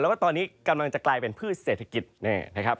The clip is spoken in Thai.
แล้วก็ตอนนี้กำลังจะกลายเป็นพืชเศรษฐกิจนะครับ